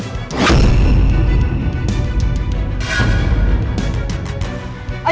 ini alamnya apa